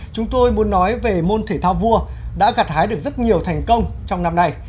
chúng tôi muốn nói về môn thể thao vua đã gặt hái được rất nhiều thành công trong năm nay